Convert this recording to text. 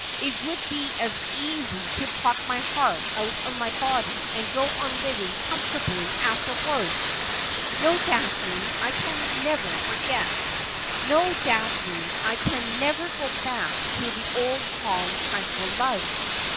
It would be as easy to pluck my heart out of my body and go on living comfortably afterwards. No, Daphne, I can never forget. No, Daphne, I can never go back to the old calm tranquil love.